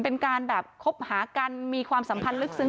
เป็นการแบบคบหากันมีความสัมพันธ์ลึกซึ้ง